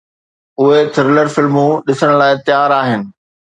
اهي ٿرلر فلمون ڏسڻ لاءِ تيار آهن